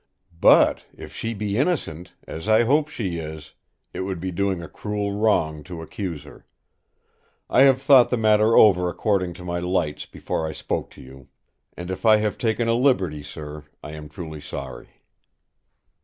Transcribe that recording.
But if she be innocent, as I hope she is, it would be doing a cruel wrong to accuse her. I have thought the matter over according to my lights before I spoke to you; and if I have taken a liberty, sir, I am truly sorry."